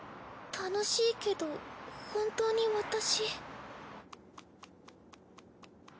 楽しいけど本当に私。